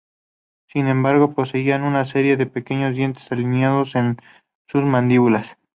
Sin embargo, poseían una serie de pequeños dientes alineados en sus mandíbulas.